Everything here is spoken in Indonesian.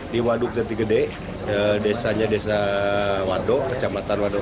di waduk jatigede desanya desa waduk kecamatan waduk